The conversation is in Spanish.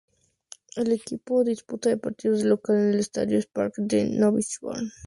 El equipo disputa los partidos de local en el estadio Spartak de Novosibirsk.